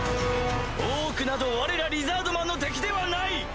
オークなどわれらリザードマンの敵ではない！